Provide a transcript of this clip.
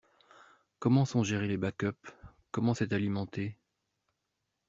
Comment sont gérés les backups? Comment c’est alimenté ?